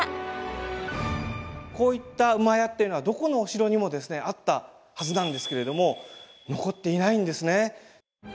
こういった馬屋っていうのはどこのお城にもあったはずなんですけれども残っていないんですね。